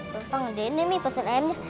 bapak ngeladain deh nih pasen ayamnya